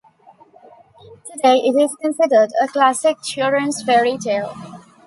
Today it is considered a classic children's fairy tale.